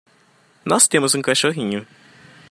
Nós temos um cachorrinho